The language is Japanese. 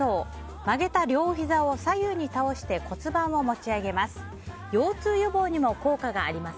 曲げた両ひざを左右に倒して骨盤を持ち上げます。